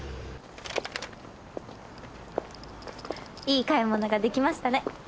いい買い物ができましたね。